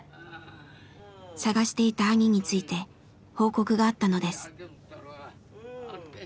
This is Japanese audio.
探していた兄について報告があったのです。